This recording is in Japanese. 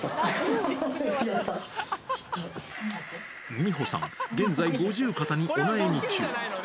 美穂さん、現在、五十肩にお悩み中。